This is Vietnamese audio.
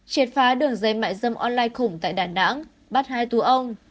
triệt phá đường dây mại dâm online khủng tại đà nẵng bắt hai tù ông